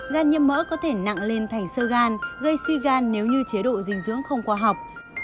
gan nhiễm mỡ có thể nặng lên thành sơ gan gây suy gan nếu như chế độ dinh dưỡng không khoa học